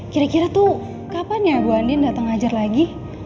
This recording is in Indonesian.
kira kira tuh kapan ya ibu andin datang ngajar lagi